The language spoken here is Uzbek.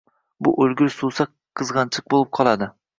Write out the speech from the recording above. Bu o‘lgur yuvsa sirg‘anchiq bo‘lib qoladi.